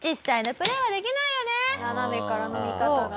斜めからの見方が。